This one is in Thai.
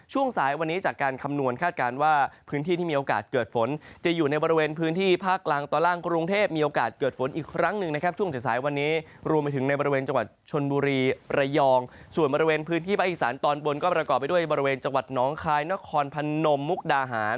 สายวันนี้จากการคำนวณคาดการณ์ว่าพื้นที่ที่มีโอกาสเกิดฝนจะอยู่ในบริเวณพื้นที่ภาคกลางตอนล่างกรุงเทพมีโอกาสเกิดฝนอีกครั้งหนึ่งนะครับช่วงสายสายวันนี้รวมไปถึงในบริเวณจังหวัดชนบุรีระยองส่วนบริเวณพื้นที่ภาคอีสานตอนบนก็ประกอบไปด้วยบริเวณจังหวัดน้องคายนครพนมมุกดาหาร